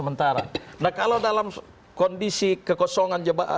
nah kalau dalam kondisi kekosongan jemaah